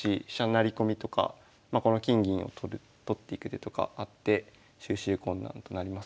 成り込みとかこの金銀を取る取っていく手とかあって収拾困難となります。